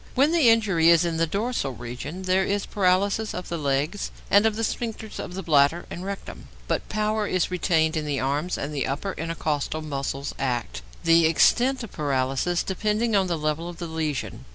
When the injury is in the dorsal region, there is paralysis of the legs and of the sphincters of the bladder and rectum, but power is retained in the arms and the upper intercostal muscles act, the extent of paralysis depending on the level of the lesion.